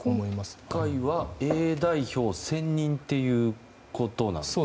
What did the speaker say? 今回はＡ代表専任ということですか？